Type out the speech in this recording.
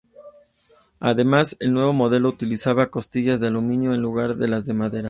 Además, el nuevo modelo utilizaba costillas de aluminio en lugar de las de madera.